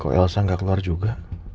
kok elsa nggak keluar juga